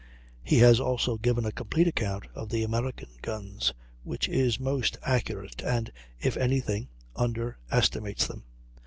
He has also given a complete account of the American guns, which is most accurate, and, if any thing, underestimates them.